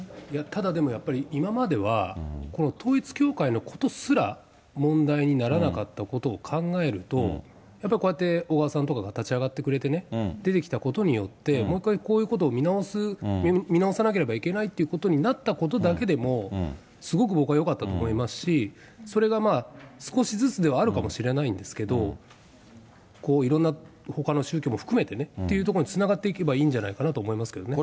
ただでもやっぱり、今までは統一教会のことすら問題にならなかったことを考えると、やっぱりこうやって小川さんとかが立ち上がってくれてね、出てきたことによって、もう一回こういうことを見直す、見直さなければいけないということになったことだけでも、すごく僕はよかったと思いますし、それが少しずつではあるかもしれないんですけど、いろんなほかの宗教も含めてねっていうところにつながっていけばいいんじゃないかなと思いますけどね。